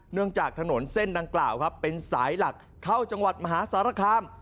เนื่องจากถนนเส้นนางกล่าวเป็นสายหลักเข้าจังหวัดมหาสารคาม